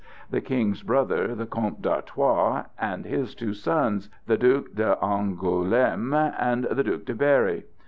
The King's brother, the Comte d'Artois, and his two sons: The Duc d'Angoulême, and The Duc de Berry.